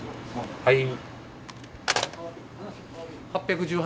はい。